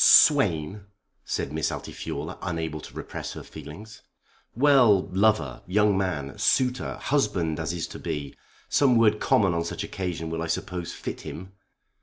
"Swain!" said Miss Altifiorla, unable to repress her feelings. "Well; lover, young man, suitor, husband as is to be. Some word common on such occasion will I suppose fit him?"